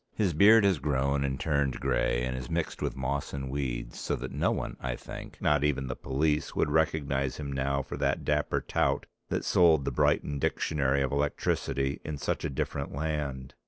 His beard has grown and turned grey and is mixed with moss and weeds, so that no one, I think, not even the police, would recognise him now for that dapper tout that sold The Briton Dictionary of Electricity in such a different land.